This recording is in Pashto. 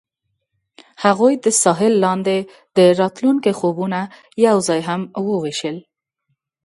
هغوی د ساحل لاندې د راتلونکي خوبونه یوځای هم وویشل.